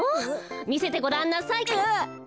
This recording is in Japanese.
みせてごらんなさい。